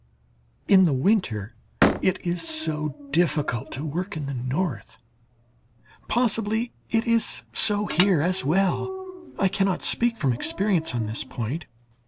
In the winter it is so difficult to work in the North. Possibly it is so here, as well; I cannot speak from experience on this point.